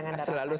ya jangan darahkan